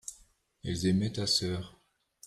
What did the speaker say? elles aimaient ta sœur.